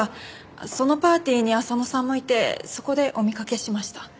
そのパーティーに浅野さんもいてそこでお見かけしました。